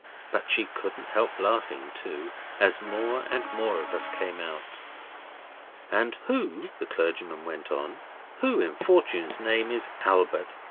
But she couldn't help laughing too, as more and more of us came out. 'And who,' the clergyman went on, 'who in fortune's name is Albert?